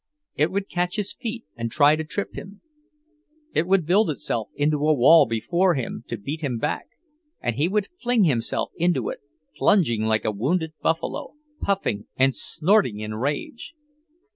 It would catch his feet and try to trip him; it would build itself into a wall before him to beat him back; and he would fling himself into it, plunging like a wounded buffalo, puffing and snorting in rage.